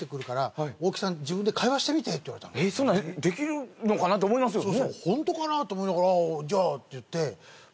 そんなんできるのかなって思いますよね。